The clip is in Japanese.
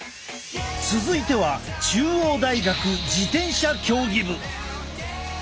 続いては中央大学自転車競技部。